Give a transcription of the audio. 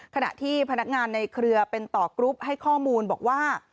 ขณะที่พนักงานในเครือเป็นต่อกรุ๊ปให้ข้อมูลบอกว่า